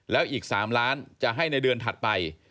แล้วอีก๓ล้านจะให้ในเดือนถัดไป